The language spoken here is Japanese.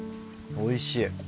おいしい。